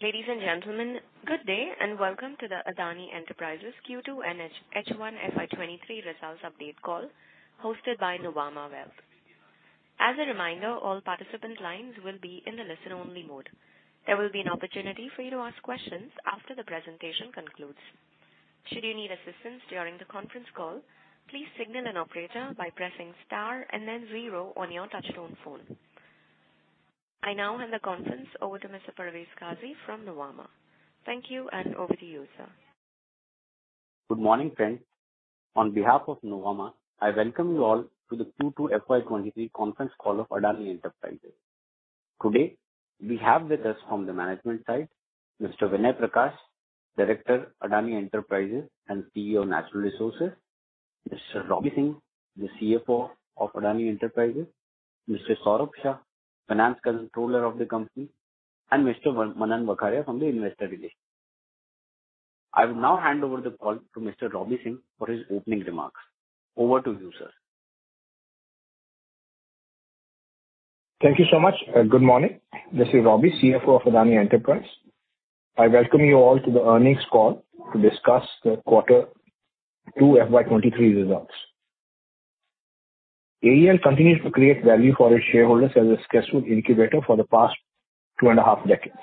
Ladies and gentlemen, good day, and welcome to the Adani Enterprises Q2 and H1 FY 2023 results update call hosted by Nuvama Wealth. As a reminder, all participant lines will be in the listen-only mode. There will be an opportunity for you to ask questions after the presentation concludes. Should you need assistance during the conference call, please signal an operator by pressing star and then zero on your touchtone phone. I now hand the conference over to Mr. Parvez Qazi from Nuvama. Thank you, and over to you, sir. Good morning, friends. On behalf of Nuvama, I welcome you all to the Q2 FY 2023 conference call of Adani Enterprises. Today we have with us from the management side, Mr. Vinay Prakash, Director, Adani Enterprises and CEO, Natural Resources, Mr. Robbie Singh, the CFO of Adani Enterprises, Mr. Saurabh Shah, Finance Controller of the company, and Mr. Manan Vakharia from Investor Relations. I will now hand over the call to Mr. Robbie Singh for his opening remarks. Over to you, sir. Thank you so much, and good morning. This is Robbie, CFO of Adani Enterprises. I welcome you all to the earnings call to discuss the quarter two FY 2023 results. AEL continues to create value for its shareholders as a successful incubator for the past two and a half decades.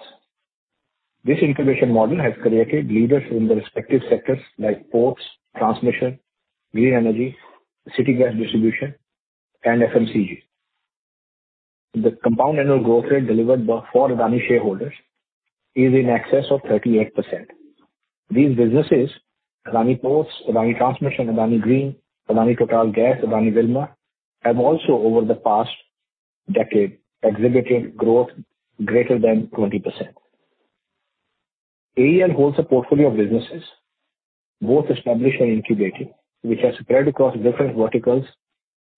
This incubation model has created leaders in the respective sectors like ports, transmission, green energy, city gas distribution, and FMCG. The compound annual growth rate delivered by for Adani shareholders is in excess of 38%. These businesses, Adani Ports, Adani Energy Solutions, Adani Green Energy, Adani Total Gas, Adani Wilmar, have also over the past decade exhibited growth greater than 20%. AEL holds a portfolio of businesses, both established and incubating, which are spread across different verticals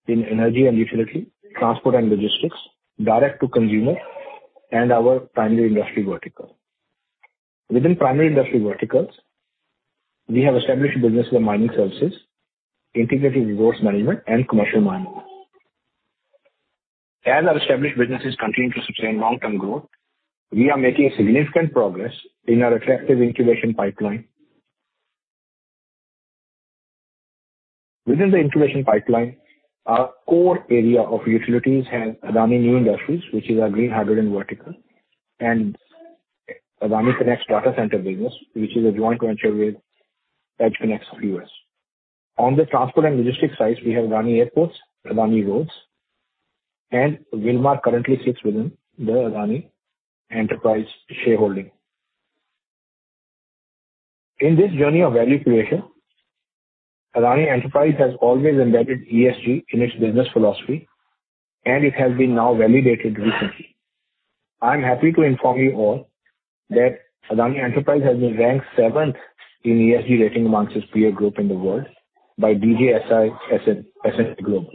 in energy and utility, transport and logistics, direct to consumer, and our primary industry vertical. Within primary industry verticals, we have established business with mining services, integrated resource management, and commercial mining. As our established businesses continue to sustain long-term growth, we are making significant progress in our attractive incubation pipeline. Within the incubation pipeline, our core area of utilities has Adani New Industries, which is our green hydrogen vertical, and AdaniConneX data center business, which is a joint venture with EdgeConneX of U.S. On the transport and logistics side, we have Adani Airports, Adani Roads, and Adani Wilmar currently sits within the Adani Enterprises shareholding. In this journey of value creation, Adani Enterprises has always embedded ESG in its business philosophy, and it has been now validated recently. I am happy to inform you all that Adani Enterprises has been ranked seventh in ESG rating amongst its peer group in the world by DJSI as a global.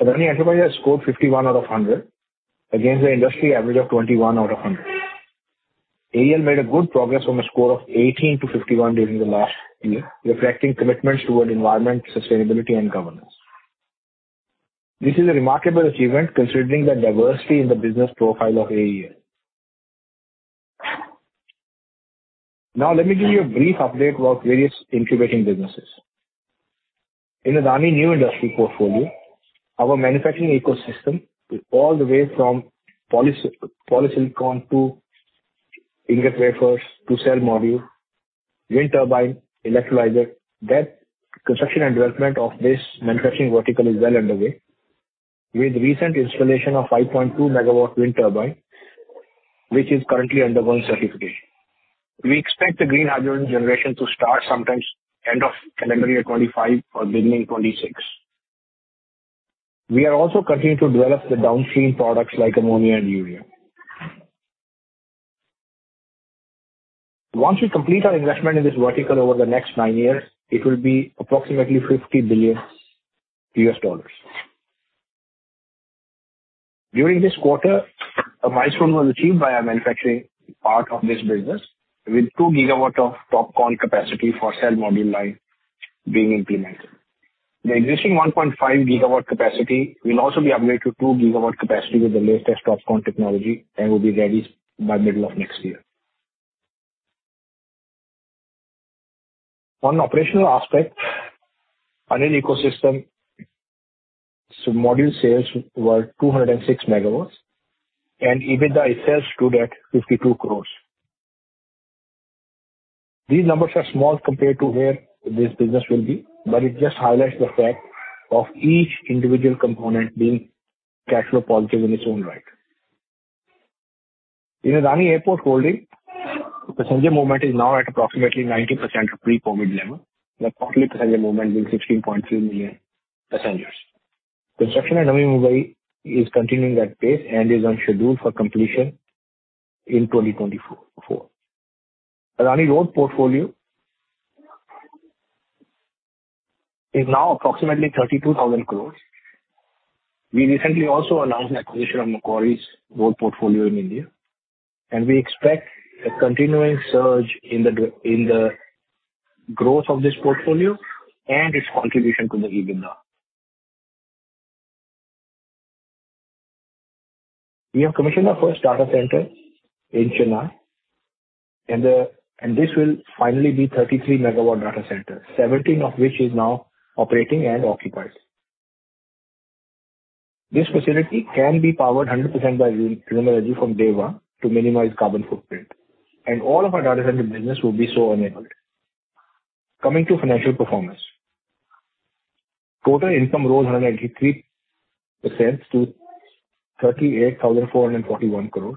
Adani Enterprises has scored 51 out of 100 against the industry average of 21 out of 100. AEL made good progress from a score of 18 to 51 during the last year, reflecting commitments toward environment, sustainability and governance. This is a remarkable achievement considering the diversity in the business profile of AEL. Now let me give you a brief update about various incubating businesses. In Adani New Industries portfolio, our manufacturing ecosystem is all the way from polysilicon to ingot wafers to cell module, wind turbine, electrolyzer. That construction and development of this manufacturing vertical is well underway with recent installation of 5.2 MW wind turbine, which is currently undergoing certification. We expect the green hydrogen generation to start sometime end of calendar year 2025 or beginning 2026. We are also continuing to develop the downstream products like ammonia and urea. Once we complete our investment in this vertical over the next nine years, it will be approximately $50 billion. During this quarter, a milestone was achieved by our manufacturing part of this business with 2 GW of TOPCon capacity for cell module line being implemented. The existing 1.5 GW capacity will also be upgraded to 2 GW capacity with the latest TOPCon technology and will be ready by middle of next year. On operational aspect, Adani ecosystem module sales were 206 MW, and EBITDA itself stood at 52 crore. These numbers are small compared to where this business will be, but it just highlights the fact of each individual component being cash flow positive in its own right. In Adani Airport Holdings, passenger movement is now at approximately 90% of pre-COVID level, with total passenger movement being 16.3 million passengers. Construction at Navi Mumbai is continuing at pace and is on schedule for completion in 2024. Adani Road portfolio is now approximately 32,000 crore. We recently also announced an acquisition of Macquarie's road portfolio in India, and we expect a continuing surge in the growth of this portfolio and its contribution to the EBITDA. We have commissioned our first data center in Chennai, and this will finally be 33 MW data center, 17 MW of which is now operating and occupied. This facility can be powered 100% by renewable energy from day one to minimize carbon footprint, and all of our data center business will be so enabled. Coming to financial performance. Total income rose 183% to 38,441 crore.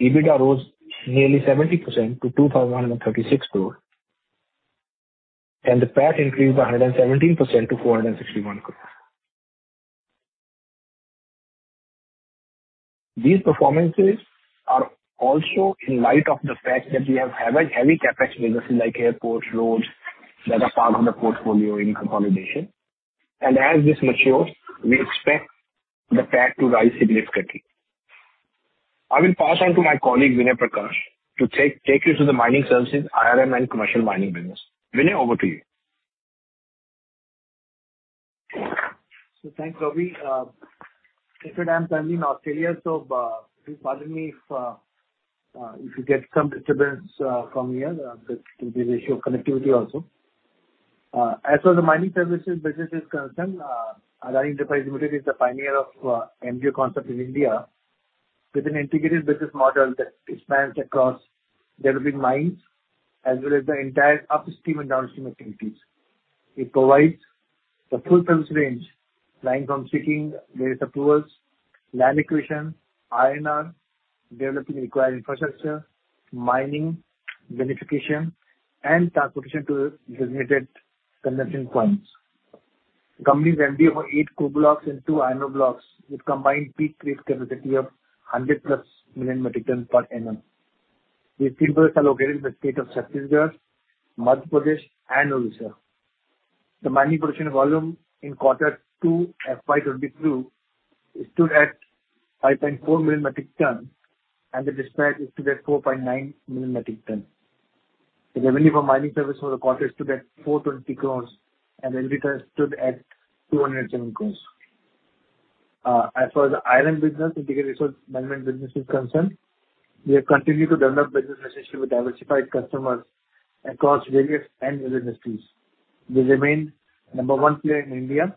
EBITDA rose nearly 70% to 2,136 crore. The PAT increased by 117% to 461 crore. These performances are also in light of the fact that we have heavy CapEx businesses like airports, roads that are part of the portfolio in consolidation. As this matures, we expect the PAT to rise significantly. I will pass on to my colleague, Vinay Prakash, to take you through the Mining Services, IRM, and Commercial Mining business. Vinay, over to you. Thanks, Ravi. If I am currently in Australia, please pardon me if you get some disturbance from here. There's issue of connectivity also. As for the Mining Services business is concerned, Adani Enterprises Limited is the pioneer of MDO concept in India with an integrated business model that expands across developing mines as well as the entire upstream and downstream activities. It provides the full service range ranging from seeking various approvals, land acquisition, R&R, developing the required infrastructure, mining, beneficiation, and transportation to the designated consumption points. Company's MDO eight coal blocks and two iron ore blocks with combined peak rated capacity of 100+ million metric tons per annum. These fields are located in the state of Chhattisgarh, Madhya Pradesh, and Odisha. The mining production volume in quarter two FY 2022 stood at 5.4 million metric tons, and the dispatch stood at 4.9 million metric tons. The revenue for Mining Service for the quarter stood at 420 crore and EBITDA stood at 207 crore. As for the IRM business, Integrated Resource Management business is concerned, we have continued to develop business relationships with diversified customers across various end-user industries. We remain number one player in India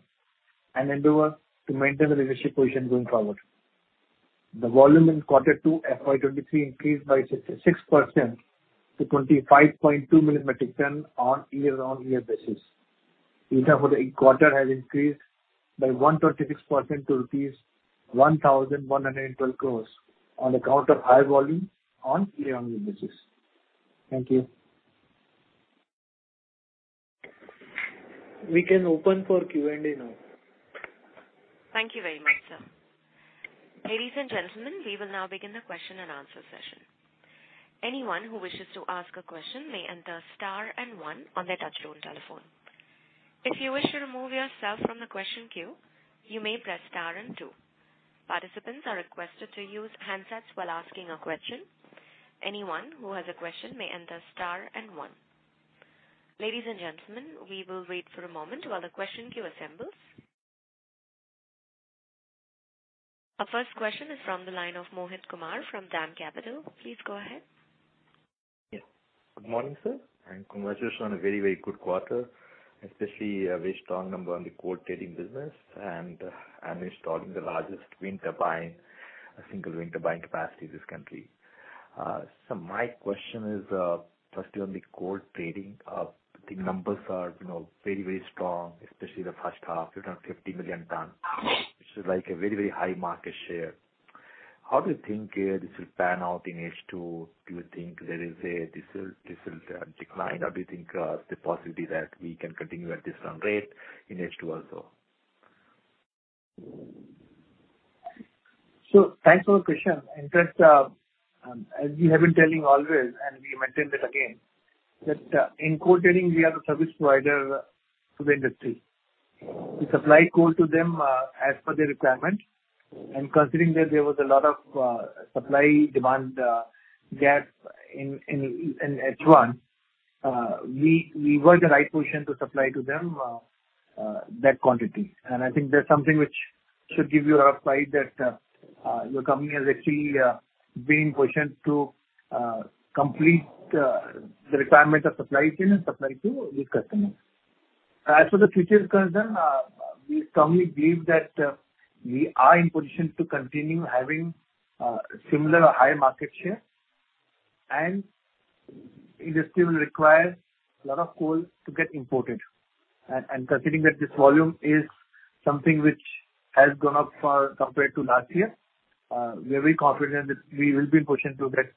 and endeavor to maintain the leadership position going forward. The volume in quarter two FY 2023 increased by 6% to 25.2 million metric tons on year-on-year basis. EBITDA for the quarter has increased by 126% to rupees 1,112 crore on account of high volume on year-on-year basis. Thank you. We can open for Q&A now. Thank you very much, sir. Ladies and gentlemen, we will now begin the question and answer session. Anyone who wishes to ask a question may enter star and one on their touchtone telephone. If you wish to remove yourself from the question queue, you may press star and two. Participants are requested to use handsets while asking a question. Anyone who has a question may enter star and one. Ladies and gentlemen, we will wait for a moment while the question queue assembles. Our first question is from the line of Mohit Kumar from DAM Capital. Please go ahead. Yes. Good morning, sir, and congratulations on a very, very good quarter, especially very strong number on the coal trading business and installing the largest wind turbine, a single wind turbine capacity in this country. My question is, firstly on the coal trading. I think numbers are, you know, very, very strong, especially the first half, around 50 million tons, which is like a very, very high market share. How do you think this will pan out in H2? Do you think there is a decent decline, or do you think the possibility that we can continue at this strong rate in H2 also? Thanks for the question. In fact, as we have been telling always, and we maintain that again, that in coal trading we are the service provider to the industry. We supply coal to them, as per their requirement. Considering that there was a lot of supply demand gap in H1, we were in the right position to supply to them that quantity. I think that's something which should give you an insight that your company has actually been in position to complete the requirement of suppliers and supply to these customers. As far as the future is concerned, we strongly believe that we are in position to continue having similar or higher market share, and industry will require a lot of coal to get imported. Considering that this volume is something which has gone up far compared to last year, we are very confident that we will be in position to get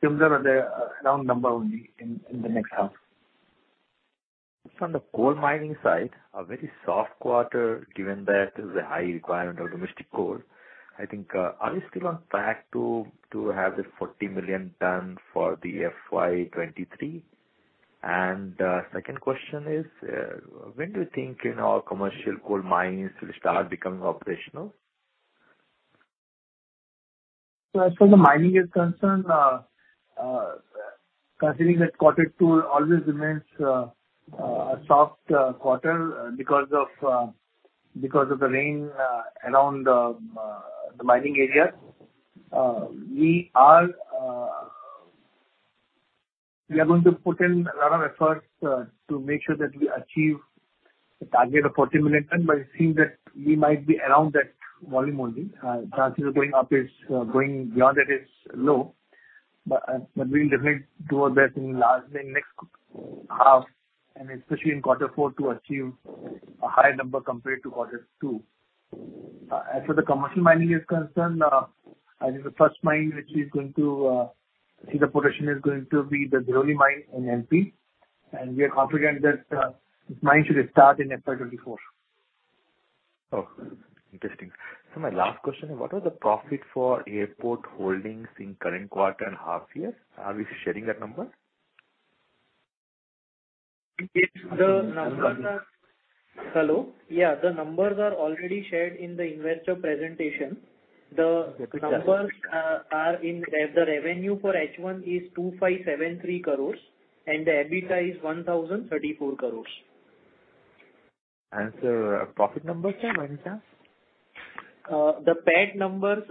similar or the around number only in the next half. From the coal mining side, a very soft quarter, given that there's a high requirement of domestic coal. I think, are you still on track to have the 40 million ton for the FY 2023? Second question is, when do you think, you know, commercial coal mines will start becoming operational? As far as mining is concerned, considering that quarter two always remains a soft quarter because of the rain around the mining area. We are going to put in a lot of efforts to make sure that we achieve the target of 40 million by seeing that we might be around that volume only. Chances of going up, going beyond that, is low, but we'll definitely do our best in the next half and especially in quarter four to achieve a higher number compared to quarter two. As for the commercial mining is concerned, I think the first mine which is going to see the production is going to be the Dhirauli mine in MP, and we are confident that this mine should start in FY24. Oh, interesting. My last question, what was the profit for Adani Airport Holdings in current quarter and half year? Are we sharing that number? It's the- One second. Hello. Yeah, the numbers are already shared in the investor presentation. Okay, got it. The numbers are in the revenue for H1 is 2,573 crore and the EBITDA is 1,034 crore. Sir, profit numbers. The PAT numbers,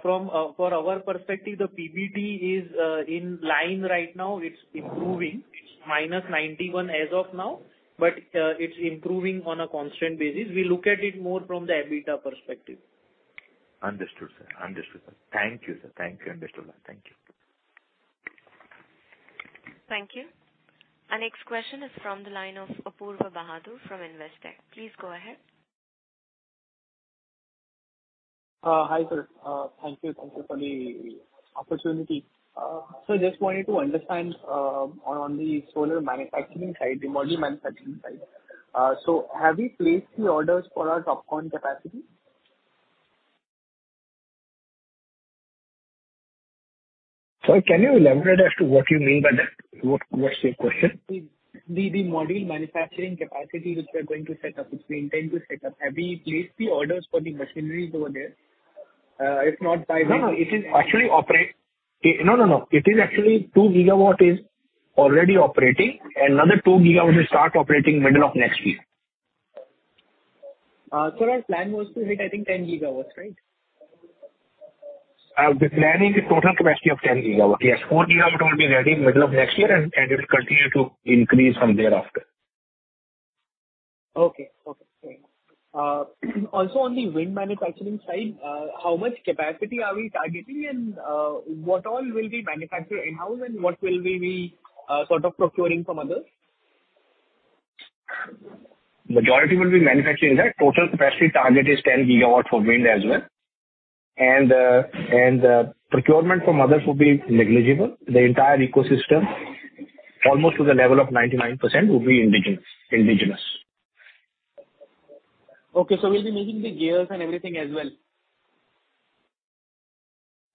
from our perspective, the PBT is in line right now. It's improving. It's -91% as of now, but it's improving on a constant basis. We look at it more from the EBITDA perspective. Understood, sir. Understood. Thank you, sir. Thank you. Understood. Thank you. Thank you. Our next question is from the line of Apoorva Bahadur from Investec. Please go ahead. Hi, sir. Thank you. Thank you for the opportunity. Just wanted to understand, on the solar manufacturing side, the module manufacturing side. Have we placed the orders for our TOPCon capacity? Sir, can you elaborate as to what you mean by that? What's your question? The module manufacturing capacity which we are going to set up, which we intend to set up, have we placed the orders for the machineries over there? If not, by when? It is actually 2 GW is already operating and another 2 GW will start operating middle of next year. Sir, our plan was to hit, I think 10 GW, right? The plan is a total capacity of 10 GW. 4 GW will be ready middle of next year and it will continue to increase from thereafter. Okay. Also on the wind manufacturing side, how much capacity are we targeting and what all will be manufactured in-house and what will we be sort of procuring from others? Majority will be manufacturing that. TotalEnergies capacity target is 10 GW for wind as well. Procurement from others will be negligible. The entire ecosystem, almost to the level of 99% will be indigenous. Okay. We'll be making the gears and everything as well.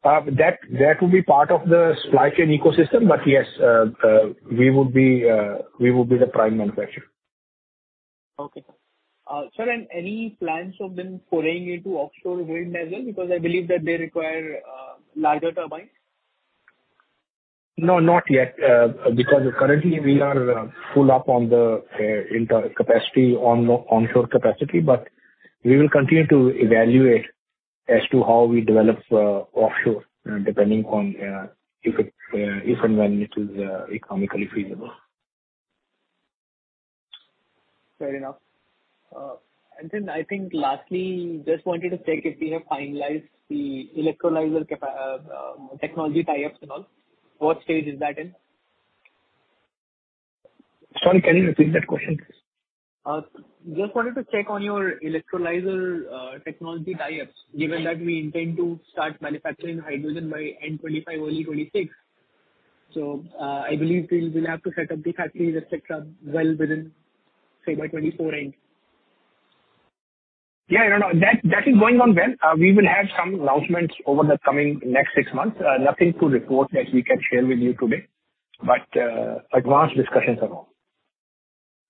That will be part of the supply chain ecosystem. Yes, we will be the prime manufacturer. Okay. Sir, any plans of then foraying into offshore wind as well? Because I believe that they require larger turbines. No, not yet. Because currently we are full up on the internal capacity on onshore capacity. We will continue to evaluate as to how we develop offshore depending on if and when it is economically feasible. Fair enough. I think lastly, just wanted to check if we have finalized the electrolyzer technology tie-ups and all. What stage is that in? Sorry, can you repeat that question? Just wanted to check on your electrolyzer, technology tie-ups, given that we intend to start manufacturing hydrogen by end 2025, early 2026. I believe we will have to set up the factories, et cetera, well within, say, by end 2024. Yeah, no. That is going on well. We will have some announcements over the coming next six months. Nothing to report that we can share with you today. Advanced discussions are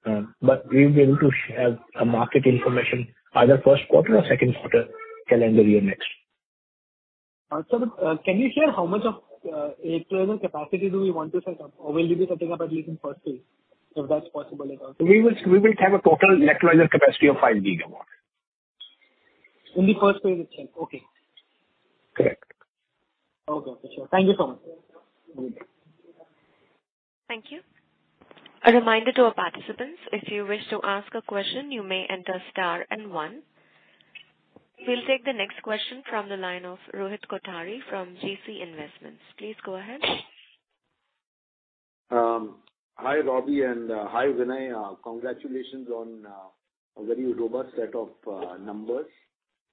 on. We'll be able to share some market information either first quarter or second quarter calendar year next. Sir, can you share how much of electrolyzer capacity do we want to set up? Or will you be setting up at least in first phase, if that's possible at all? We will have a total electrolyzer capacity of 5 GW. In the first phase itself. Okay. Correct. Okay. Sure. Thank you so much. Mm-hmm. Thank you. A reminder to our participants, if you wish to ask a question, you may enter star and one. We'll take the next question from the line of Rohit Kothari from GeeCee Investments. Please go ahead. Hi, Robbie, and hi, Vinay. Congratulations on a very robust set of numbers.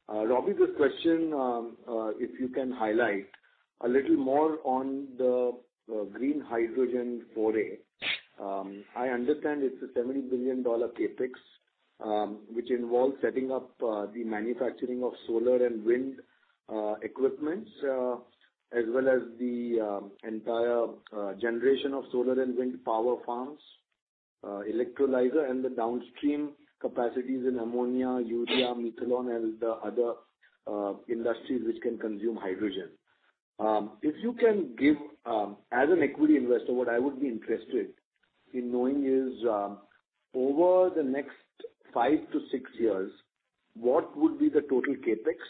Robbie with question. If you can highlight a little more on the green hydrogen foray. I understand it's a $70 billion CapEx, which involves setting up the manufacturing of solar and wind equipment, as well as the entire generation of solar and wind power farms, electrolyzer and the downstream capacities in ammonia, urea, methanol and the other industries which can consume hydrogen. If you can give, as an equity investor, what I would be interested in knowing is, over the next five to six years, what would be the total CapEx?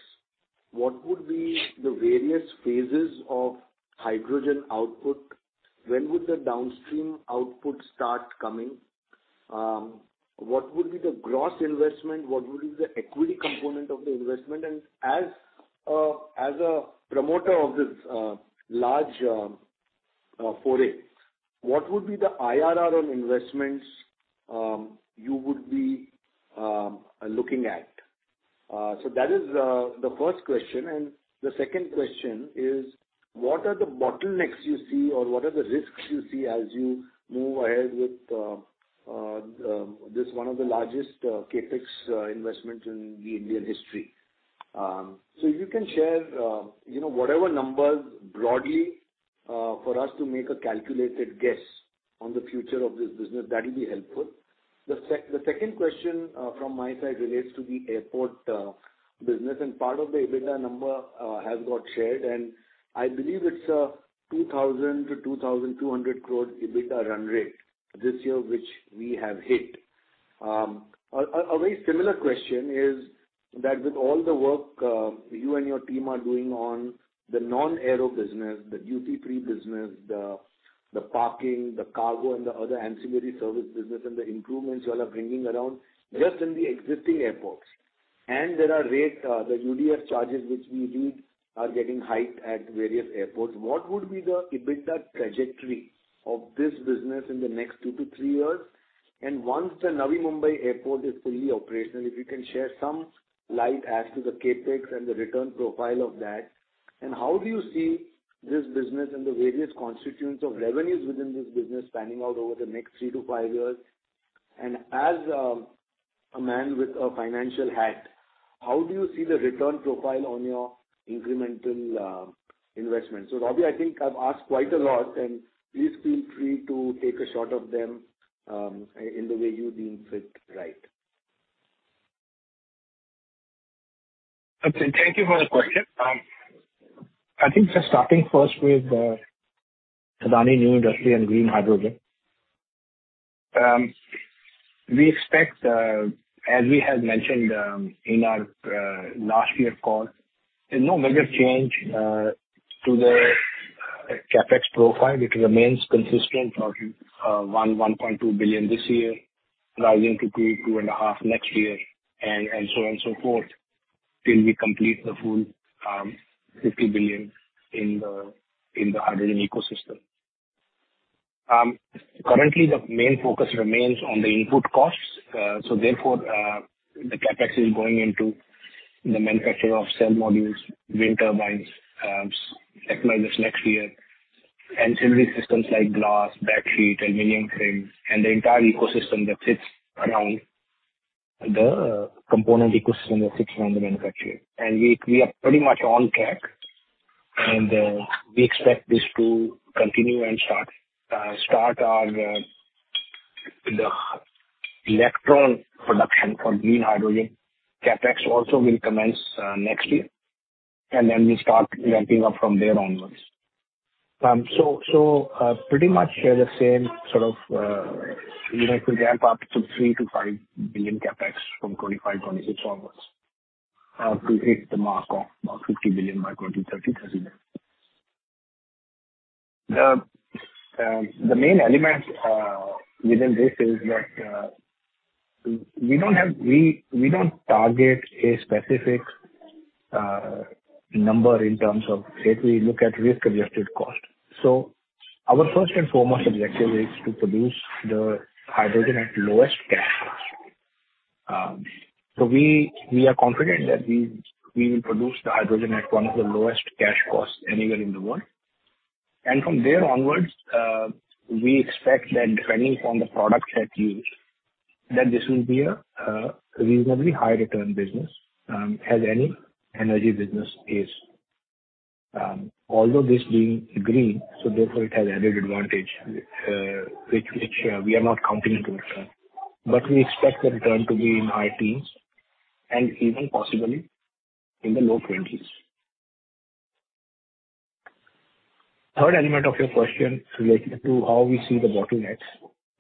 What would be the various phases of hydrogen output? When would the downstream output start coming? What would be the gross investment? What would be the equity component of the investment? As a promoter of this large foray, what would be the IRR on investments you would be looking at? That is the first question. The second question is what are the bottlenecks you see or what are the risks you see as you move ahead with this one of the largest CapEx investment in the Indian history. If you can share, you know, whatever numbers broadly, for us to make a calculated guess on the future of this business, that will be helpful. The second question from my side relates to the airport business and part of the EBITDA number has got shared, and I believe it's 2,000 crore-2,200 crore EBITDA run rate this year, which we have hit. A very similar question is that with all the work you and your team are doing on the non-aero business, the duty-free business, the parking, the cargo, and the other ancillary service business, and the improvements you all are bringing around just in the existing airports. There are rates, the UDF charges which we read are getting hiked at various airports. What would be the EBITDA trajectory of this business in the next two to three years? Once the Navi Mumbai airport is fully operational, if you can share some light as to the CapEx and the return profile of that, and how do you see this business and the various constituents of revenues within this business panning out over the next three to five years? As a man with a financial hat, how do you see the return profile on your incremental investment? Robbie, I think I've asked quite a lot, and please feel free to take a shot at them in the way you deem fit right. Okay, thank you for the question. I think just starting first with Adani New Industries and Green Hydrogen. We expect, as we had mentioned, in our last year call, there's no major change to the CapEx profile. It remains consistent of $1.2 billion this year, rising to $2 billion-$2.5 billion next year, and so on and so forth, till we complete the full $50 billion in the hydrogen ecosystem. Currently the main focus remains on the input costs. So therefore, the CapEx is going into the manufacture of cell modules, wind turbines, electrolyzers next year, ancillary systems like glass, backsheet, aluminum frames, and the entire ecosystem that sits around the component ecosystem that sits around the manufacturer. We are pretty much on track. We expect this to continue and start our electrolyzer production for green hydrogen. CapEx also will commence next year, and then we start ramping up from there onwards. Pretty much the same sort of to ramp up to $3 billion-$5 billion CapEx from 2025-2026 onwards to hit the mark of about $50 billion by 2033. The main elements within this is that we don't target a specific number in terms of CapEx. We look at risk-adjusted cost. Our first and foremost objective is to produce the hydrogen at lowest cash cost. We are confident that we will produce the hydrogen at one of the lowest cash costs anywhere in the world. From there onwards, we expect that depending on the product CapEx used, that this will be a reasonably high return business, as any energy business is. Although this being green, therefore it has added advantage, which we are not counting into return. We expect the return to be in high teens and even possibly in the low twenties. Third element of your question related to how we see the bottlenecks.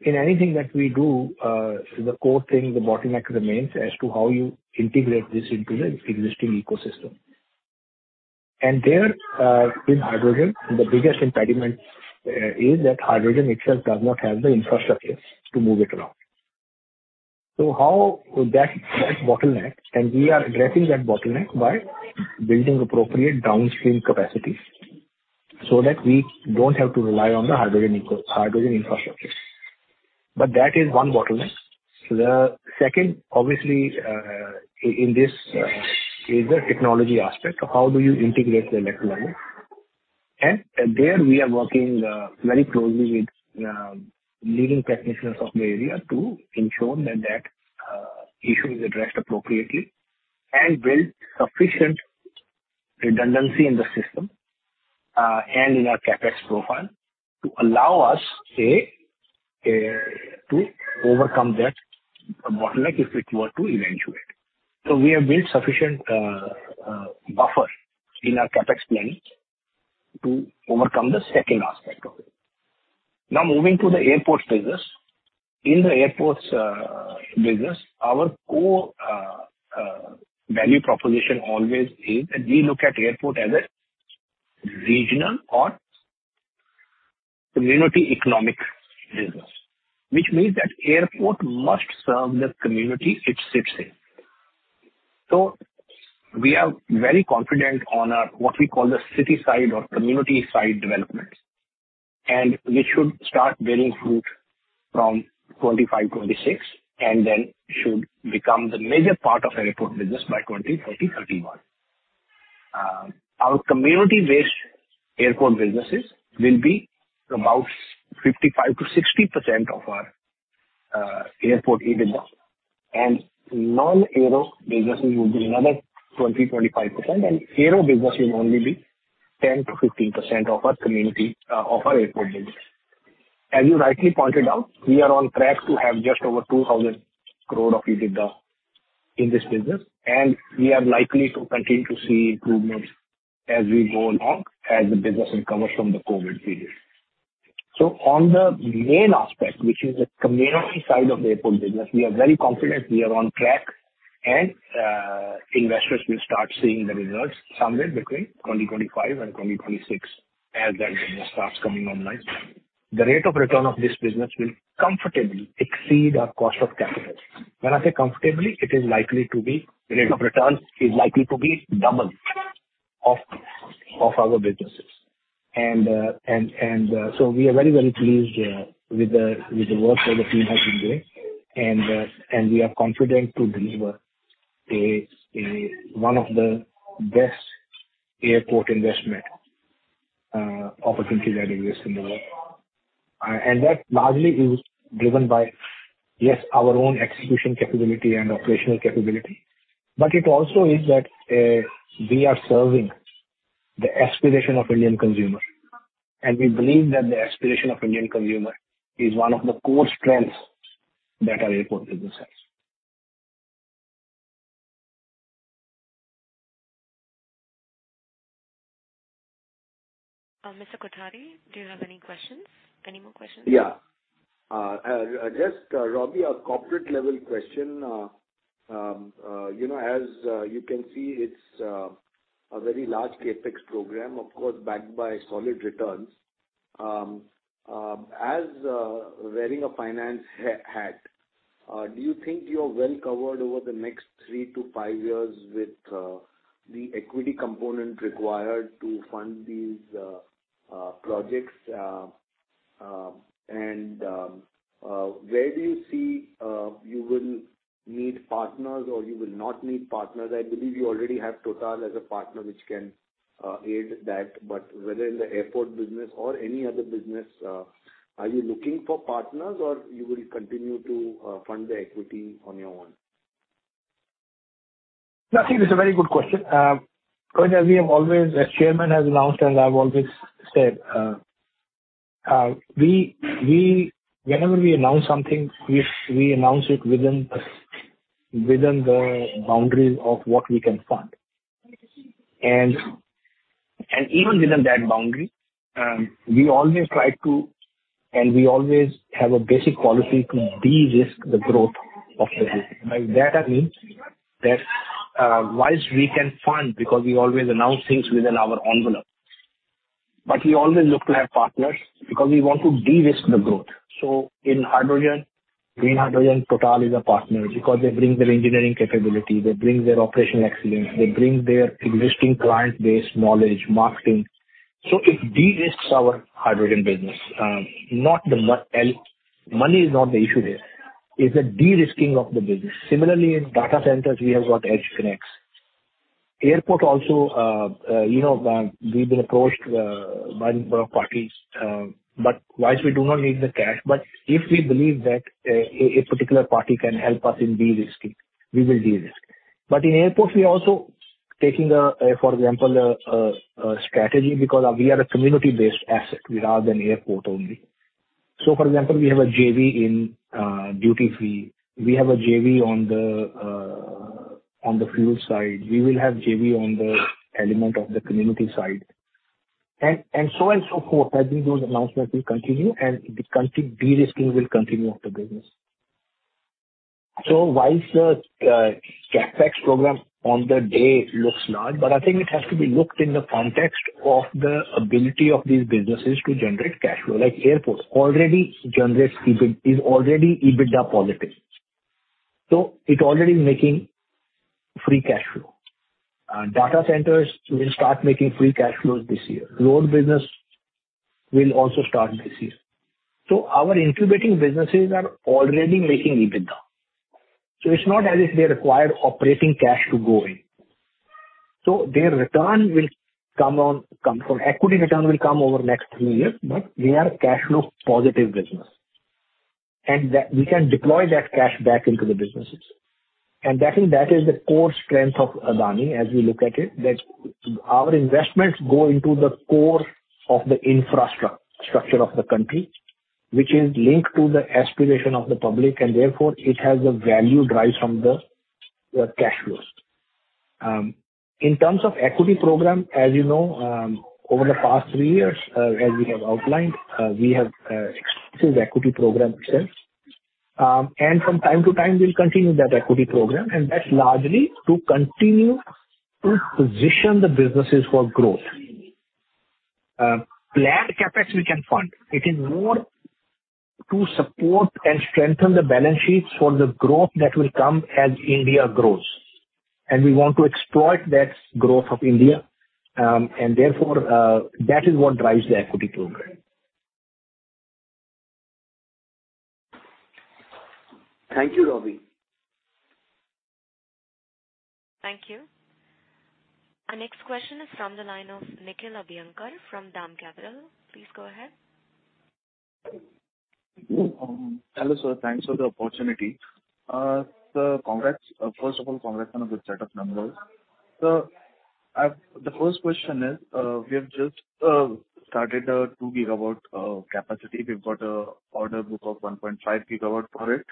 In anything that we do, the core thing, the bottleneck remains as to how you integrate this into the existing ecosystem. There, in hydrogen, the biggest impediment is that hydrogen itself does not have the infrastructure to move it around. We are addressing that bottleneck by building appropriate downstream capacities so that we don't have to rely on the hydrogen ecosystem hydrogen infrastructure. That is one bottleneck. The second obviously is the technology aspect of how do you integrate the electrolyzer. There we are working very closely with leading practitioners of the area to ensure that issue is addressed appropriately and build sufficient redundancy in the system, and in our CapEx profile to allow us, say, to overcome that bottleneck if it were to eventuate. We have built sufficient buffer in our CapEx planning to overcome the second aspect of it. Now, moving to the airport business. In the airports business, our core value proposition always is that we look at airport as a regional or community economic business, which means that airport must serve the community it sits in. We are very confident on our what we call the city side or community side developments. They should start bearing fruit from 2025, 2026 and then should become the major part of airport business by 2030, 2031. Our community-based airport businesses will be about 55%-60% of our airport EBITDA. Non-aero businesses will be another 20%-25%, and aero business will only be 10%-15% of our airport business. As you rightly pointed out, we are on track to have just over 2,000 crore of EBITDA in this business, and we are likely to continue to see improvements as we go along, as the business recovers from the COVID period. On the main aspect, which is the commercial side of the airport business, we are very confident we are on track and investors will start seeing the results somewhere between 2025 and 2026 as that business starts coming online. The rate of return of this business will comfortably exceed our cost of capital. When I say comfortably, the rate of return is likely to be double of our businesses. We are very, very pleased with the work that the team has been doing. We are confident to deliver one of the best airport investment opportunities that exists in the world. That largely is driven by our own execution capability and operational capability. It also is that we are serving the aspiration of Indian consumer, and we believe that the aspiration of Indian consumer is one of the core strengths that our airport business has. Mr. Kothari, do you have any questions? Any more questions? Yeah, just Robbie, a corporate level question. You know, as you can see, it's a very large CapEx program, of course, backed by solid returns. As wearing a finance hat, do you think you're well covered over the next three to five years with the equity component required to fund these projects? Where do you see you will need partners or you will not need partners? I believe you already have TotalEnergies as a partner, which can aid that. Whether in the airport business or any other business, are you looking for partners or you will continue to fund the equity on your own? No, I think that's a very good question. Because as chairman has announced, and I've always said, whenever we announce something, we announce it within the boundaries of what we can fund. Even within that boundary, we always try to and we always have a basic policy to de-risk the growth of the business. By that I mean that, while we can fund because we always announce things within our envelope, but we always look to have partners because we want to de-risk the growth. In hydrogen, green hydrogen, TotalEnergies is a partner because they bring their engineering capability, they bring their operational excellence, they bring their existing client base knowledge, marketing. It de-risks our hydrogen business. Money is not the issue there. It's the de-risking of the business. Similarly, in data centers we have got EdgeConneX. Airport also, you know, we've been approached by a number of parties, but while we do not need the cash, but if we believe that a particular party can help us in de-risking, we will de-risk. In airports we are also taking, for example, a strategy because we are a community-based asset rather than airport only. For example, we have a JV in duty-free. We have a JV on the fuel side. We will have JV on the element of the community side. And so on and so forth. I think those announcements will continue and the company de-risking will continue of the business. While the CapEx program today looks large, I think it has to be looked in the context of the ability of these businesses to generate cash flow, like airport is already EBITDA positive, so it already making free cash flow. Data centers will start making free cash flows this year. Road business will also start this year. Our incubating businesses are already making EBITDA. It's not as if they require operating cash to go in. Their return will come from equity return will come over next three years, but they are cash flow positive businesses. That we can deploy that cash back into the businesses. That is the core strength of Adani as we look at it, that our investments go into the core of the infrastructure of the country, which is linked to the aspiration of the public, and therefore it has a value derived from the cash flows. In terms of equity program, as you know, over the past three years, as we have outlined, we have executed equity program itself. From time to time, we'll continue that equity program, and that's largely to continue to position the businesses for growth. Planned CapEx we can fund. It is more to support and strengthen the balance sheets for the growth that will come as India grows. We want to exploit that growth of India. Therefore, that is what drives the equity program. Thank you, Robbie. Thank you. Our next question is from the line of Nikhil Abhyankar from DAM Capital. Please go ahead. Hello, sir. Thanks for the opportunity. Congrats. First of all, congrats on a good set of numbers. The first question is, we have just started a 2 GW capacity. We've got an order book of 1.5 GW for it.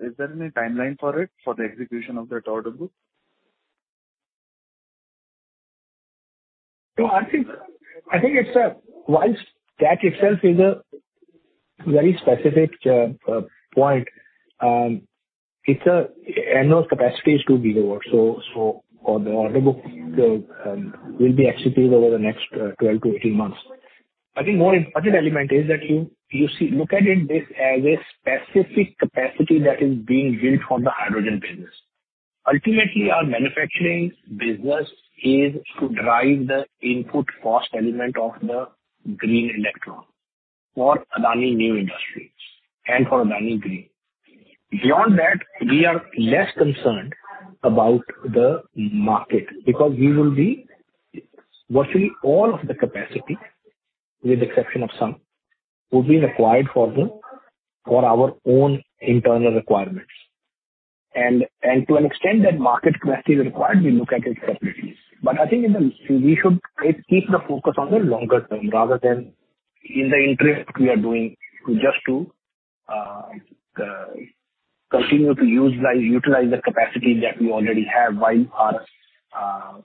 Is there any timeline for it, for the execution of that order book? I think it's a whilst that itself is a very specific point. Its annual capacity is 2 GW, so for the order book, it will be executed over the next 12 to 18 months. I think more important element is that you see, look at it this as a specific capacity that is being built for the hydrogen business. Ultimately, our manufacturing business is to drive the input cost element of the green electrons for Adani New Industries and for Adani Green. Beyond that, we are less concerned about the market because we will be virtually all of the capacity, with the exception of some, will be required for our own internal requirements. To an extent that market capacity required, we look at it separately. I think in the We should keep the focus on the longer term rather than in the interest we are doing just to continue to use, like, utilize the capacity that we already have while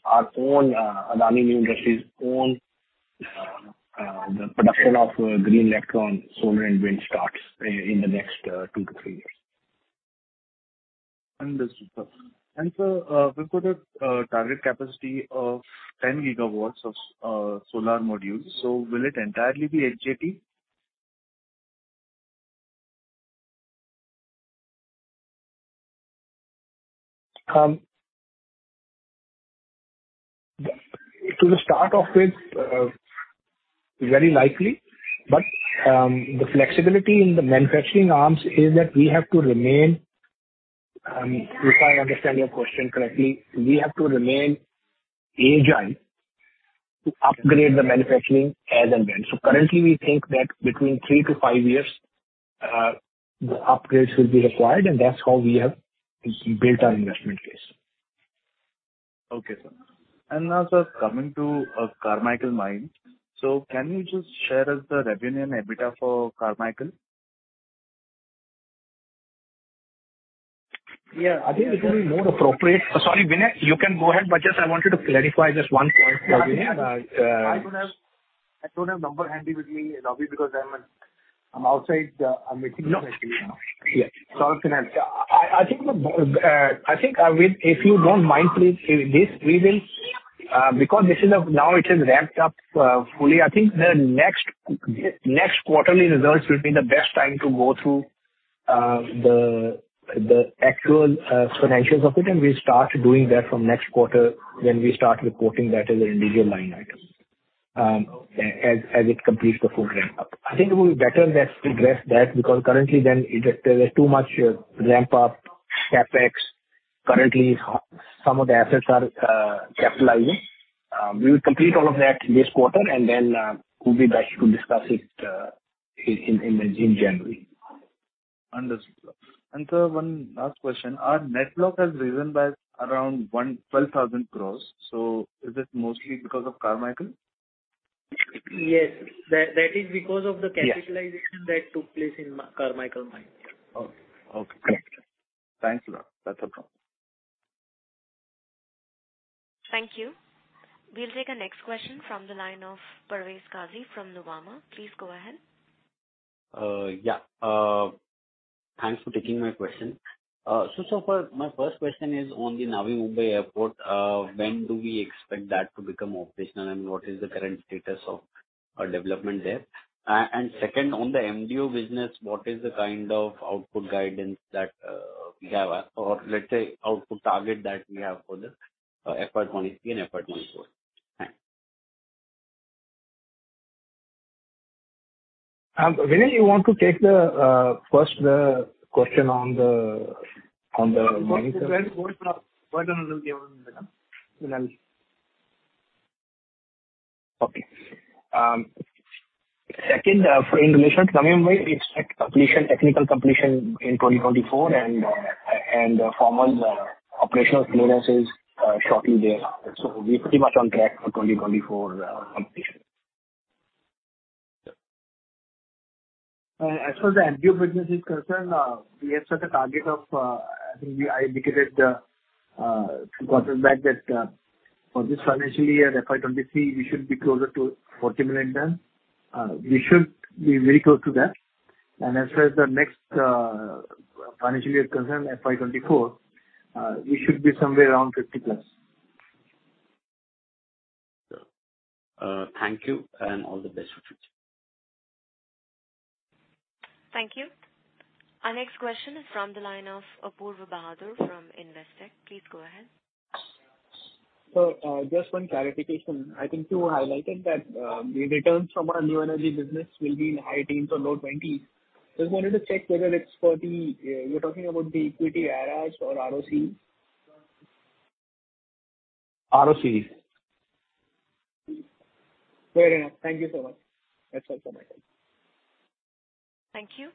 our own Adani New Industries own the production of green energy solar and wind starts in the next two to three years. Understood, sir. Sir, we've got a target capacity of 10 GW of solar modules. Will it entirely be HJT? To start off with, very likely, but the flexibility in the manufacturing arms is that we have to remain, if I understand your question correctly, we have to remain agile to upgrade the manufacturing as and when. Currently we think that between three to five years, the upgrades will be required, and that's how we have built our investment case. Okay, sir. Now, sir, coming to Carmichael Mine. Can you just share us the revenue and EBITDA for Carmichael? Yeah. I think it will be more appropriate. Sorry, Vinay Prakash, you can go ahead, but just I wanted to clarify just one point. Vinay, I don't have number handy with me, Robbie, because I'm outside. I'm meeting with an FP now. Yeah. I'll connect. I think, Vin, if you don't mind, please. Now it is ramped up fully. I think the next quarterly results will be the best time to go through the actual financials of it, and we'll start doing that from next quarter when we start reporting that as an individual line item. Okay. As it completes the full ramp up. I think it will be better that to address that, because currently then it, there's too much ramp up, CapEx. Currently some of the assets are capitalizing. We will complete all of that this quarter, and then we'll be back to discuss it in January. Understood. Sir, one last question. Our net debt has risen by around 112,000 crore. Is it mostly because of Carmichael? Yes. That is because of the. Yes. Capitalization that took place in Carmichael Mine. Okay. Okay, great. Thanks a lot. That's all. Thank you. We'll take our next question from the line of Parvez Qazi from Nuvama. Please go ahead. Thanks for taking my question. My first question is on the Navi Mumbai airport. When do we expect that to become operational, and what is the current status of development there? Second, on the MDO business, what is the kind of output guidance that we have, or let's say output target that we have for the FY 2023 and FY 2024? Thanks. Vinay, you want to take the first question on the mine? Both of them will be able to answer that. Second, in relation to 1 MW, it's at technical completion in 2024 and formal operational clearance is shortly thereafter. We're pretty much on track for 2024 completion. Yeah. As far as the NBU business is concerned, we have set a target of, I indicated a few quarters back that, for this financial year, FY 2023, we should be closer to 40 million tons. We should be very close to that. As far as the next financial year concerned, FY 2024, we should be somewhere around 50+. Sure. Thank you, and all the best for the future. Thank you. Our next question is from the line of Apoorva Bahadur from Investec. Please go ahead. Just one clarification. I think you highlighted that the returns from our new energy business will be in high teens or low twenties. Just wanted to check whether it's the equity IRRs or ROC. ROC. Very nice. Thank you so much. That's all from my side. Thank you.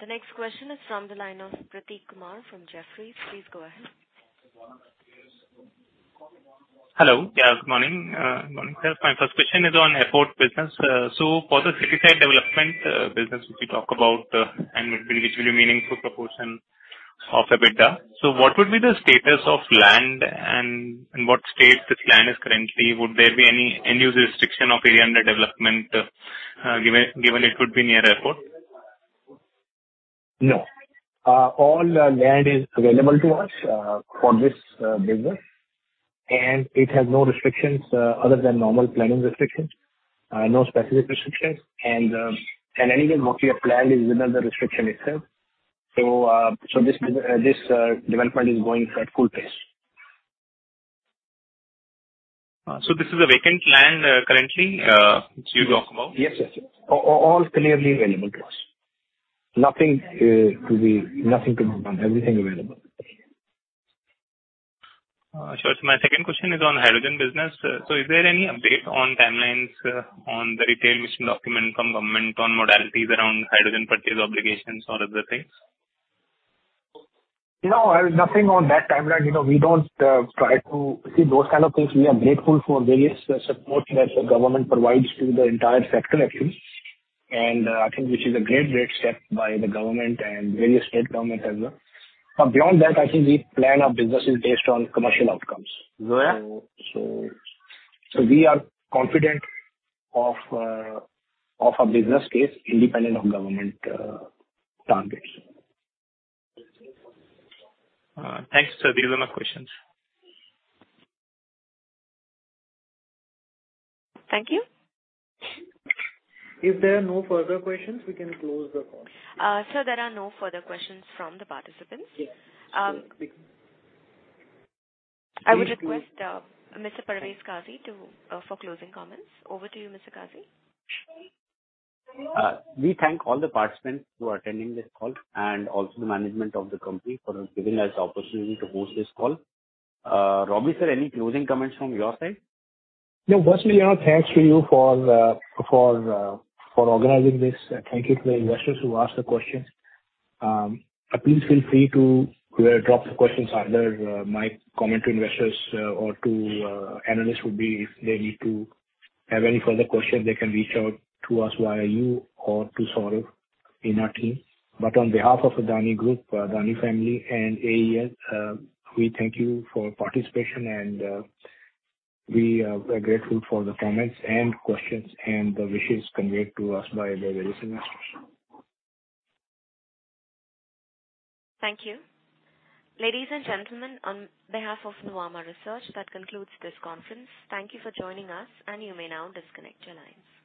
The next question is from the line of Prateek Kumar from Jefferies. Please go ahead. Hello. Yeah, good morning. Good morning, sir. My first question is on airport business. For the city side development business, if you talk about and which will be meaningful proportion of EBITDA. What would be the status of land and what state this land is currently? Would there be any use restriction of area under development, given it would be near airport? No. All land is available to us for this business, and it has no restrictions other than normal planning restrictions. No specific restrictions. Anyway, most of your plan is within the restriction itself. This development is going at full pace. This is a vacant land, currently, which you talk about? Yes. All clearly available to us. Nothing to move on. Everything available. Sure. My second question is on hydrogen business. Is there any update on timelines on the national mission document from government on modalities around hydrogen purchase obligations or other things? No, nothing on that timeline. You know, we don't try to see those kind of things. We are grateful for various support that the government provides to the entire sector actually. I think this is a great step by the government and various state government as well. Beyond that, I think we plan our businesses based on commercial outcomes. Sure. We are confident of our business case independent of government targets. Thanks, sir. These are my questions. Thank you. If there are no further questions, we can close the call. Sir, there are no further questions from the participants. Yes. Sure. I would request Mr. Parvez Qazi for closing comments. Over to you, Mr. Qazi. We thank all the participants who are attending this call and also the management of the company for giving us the opportunity to host this call. Robbie, sir, any closing comments from your side? Now. Firstly, our thanks to you for organizing this. Thank you to the investors who asked the questions. Please feel free to drop the questions. Either my comment to investors or to analysts would be if they need to have any further questions, they can reach out to us via you or to Saurabh in our team. On behalf of Adani Group, Adani family and AEL, we thank you for participation and we are grateful for the comments and questions and the wishes conveyed to us by the various investors. Thank you. Ladies and gentlemen, on behalf of Nuvama Research, that concludes this conference. Thank you for joining us, and you may now disconnect your lines.